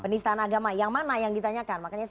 penistaan agama yang mana yang ditanyakan makanya